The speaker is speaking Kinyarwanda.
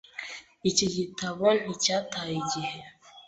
Iki gitabo nticyataye igihe.